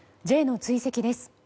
Ｊの追跡です。